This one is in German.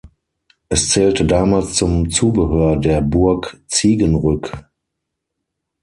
Es zählte damals zum Zubehör der Burg Ziegenrück.